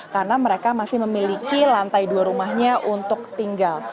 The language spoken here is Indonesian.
karena mereka masih memiliki lantai dua rumahnya untuk tinggal